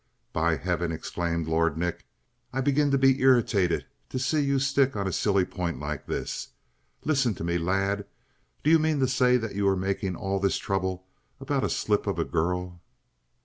"By heaven!" exclaimed Lord Nick. "I begin to be irritated to see you stick on a silly point like this. Listen to me, lad. Do you mean to say that you are making all! this trouble about a slip of a girl?"